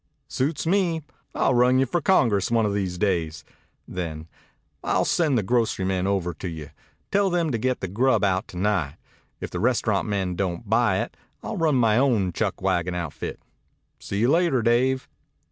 "Suits me. I'll run you for Congress one o' these days." Then, "I'll send the grocery men over to you. Tell them to get the grub out to night. If the restaurant men don't buy it I'll run my own chuck wagon outfit. See you later, Dave."